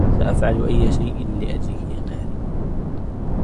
سأفعل أيّ شيء لأجلك يا ماري.